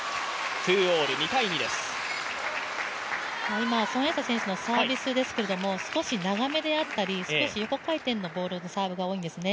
今、孫エイ莎選手のサービスですが少し長めであったり、少し横回転のサーブが多いんですね。